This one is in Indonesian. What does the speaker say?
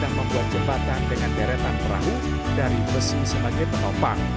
dan membuat jembatan dengan deretan perahu dari besi sebagai penopang